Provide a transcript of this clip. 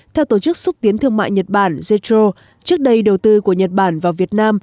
theo tổ chức xúc tiến thương mại nhật bản jetro trước đây đầu tư của nhật bản vào việt nam